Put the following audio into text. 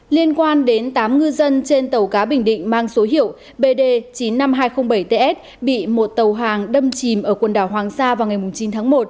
liên quan đến tám ngư dân trên tàu cá bình định mang số hiệu bd chín mươi năm nghìn hai trăm linh bảy ts bị một tàu hàng đâm chìm ở quần đảo hoàng sa vào ngày chín tháng một